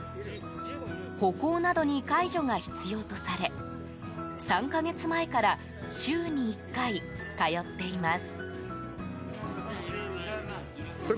歩行などに介助が必要とされ３か月前から週に１回通っています。